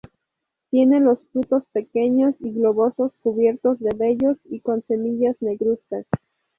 Tiene los frutos pequeños y globosos, cubiertos de vellos y con semillas negruzcas.